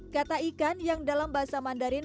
kata ikan yang dalam bahasa mandarin